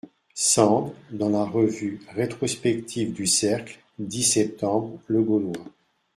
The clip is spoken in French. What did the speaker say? Sand dans la Revue Rétrospective du cercle dix septembre., Le Gaulois.